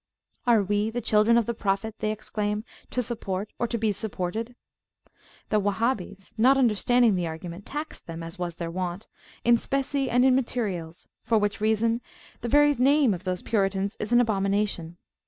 Are we, the children of the Prophet, they exclaim, to support or to be supported? The Wahhabis, not understanding the argument, taxed them, [p.7]as was their wont, in specie and in materials, for which reason the very name of those Puritans is an abomination.